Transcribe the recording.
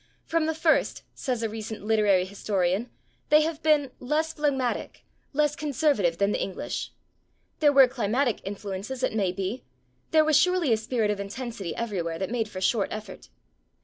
From the first, says a recent literary historian, they have been "less phlegmatic, less conservative than the English. There were climatic influences, it may be; there was surely a spirit of intensity everywhere that made for short effort."